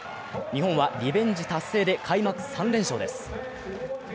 日本はリベンジ達成で、開幕３連勝です。